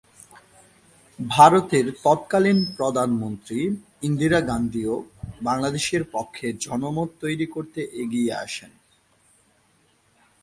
ভারতের তৎকালীন প্রধানমন্ত্রী ইন্দিরা গান্ধীও বাংলাদেশের পক্ষে জনমত তৈরি করতে এগিয়ে আসেন।